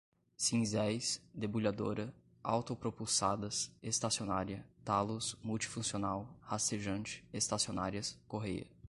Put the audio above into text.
cinzéis, debulhadora, autopropulsadas, estacionária, talos, multifuncional, rastejante, estacionárias, correia